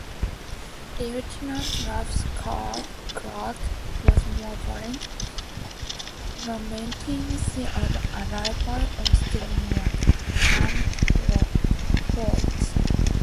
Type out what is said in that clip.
Lieutenant Ralph Clark was more blunt, lamenting the arrival of still more "damned whores".